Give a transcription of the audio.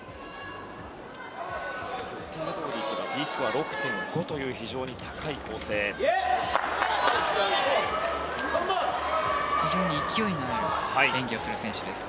予定どおり行けばＤスコア６．５という非常に高い構成です。